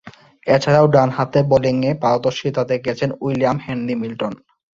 এছাড়াও ডানহাতে বোলিংয়ে পারদর্শীতা দেখিয়েছেন উইলিয়াম হেনরি মিল্টন।